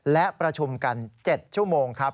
และประชุมกัน๗ชั่วโมงครับ